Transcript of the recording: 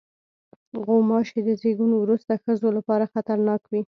غوماشې د زیږون وروسته ښځو لپاره خطرناک وي.